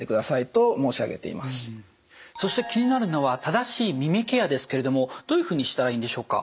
そして気になるのは正しい耳ケアですけれどもどういうふうにしたらいいんでしょうか？